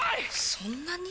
そんなに！？